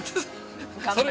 頑張れ！